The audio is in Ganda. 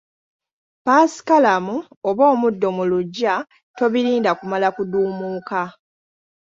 Ppaasikalamu oba omuddo mu luggya tobirinda kumala kuduumuuka